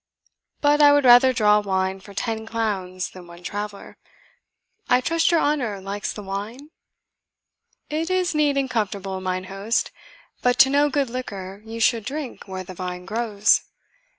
But I would rather draw wine for ten clowns than one traveller. I trust your honour likes the wine?" "It is neat and comfortable, mine host; but to know good liquor, you should drink where the vine grows.